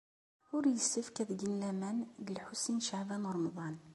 Ur yessefk ad gen laman deg Lḥusin n Caɛban u Ṛemḍan.